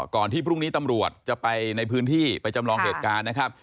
ที่พรุ่งนี้ตำรวจจะไปในพื้นที่ไปจำลองเหตุการณ์นะครับ